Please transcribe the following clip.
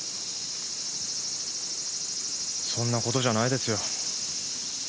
そんな事じゃないですよ。